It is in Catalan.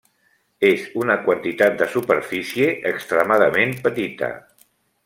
És una quantitat de superfície extremadament petita.